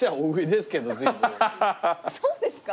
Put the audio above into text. そうですか？